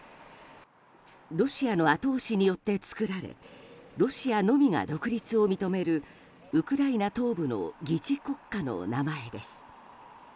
ロシアの後押しによって作られロシアのみが独立を認めるウクライナ東部の疑似国家の名前です。